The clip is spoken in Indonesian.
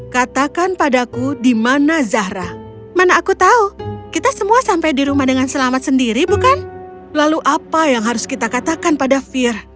katakan padaku di mana zahra mana aku tahu kita semua sampai di rumah dengan selamat sendiri bukan lalu apa yang harus kita katakan pada fir